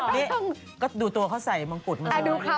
ลูกตัวเขาใส่มงกุฎมาเนี่ย